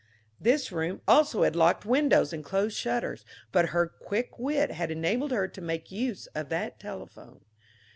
This room also had locked windows and closed shutters, but her quick wit had enabled her to make use of that telephone.